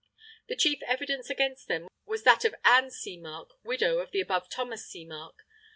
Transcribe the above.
The chief evidence against them was that of Anne Seamark, widow of the above Thomas Seamark.